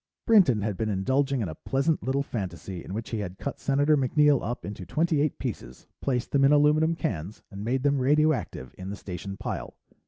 Brinton had been indulging in a pleasant little fantasy in which he had cut Senator MacNeill up into twenty eight pieces, placed them in aluminum cans, and made them radioactive in the Station pile.